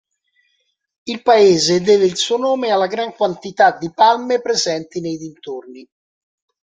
Il paese deve il suo nome alla gran quantità di palme presenti nei dintorni.